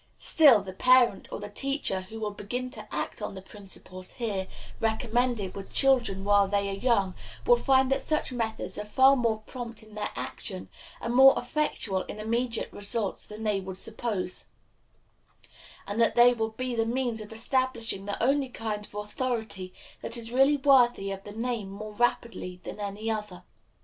Still, the parent or the teacher who will begin to act on the principles here recommended with children while they are young will find that such methods are far more prompt in their action and more effectual in immediate results than they would suppose, and that they will be the means of establishing the only kind of authority that is really worthy of the name more rapidly than any other.